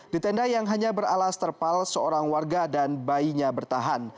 di tenda yang hanya beralas terpal seorang warga dan bayinya bertahan